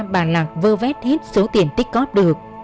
bà lạc vơ vét hết số tiền tích cóp được